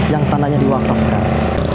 yang tanahnya diwaktifkan